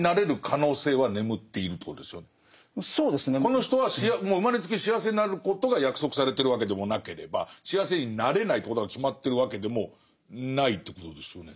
この人は生まれつき幸せになることが約束されてるわけでもなければ幸せになれないということが決まってるわけでもないということですよね。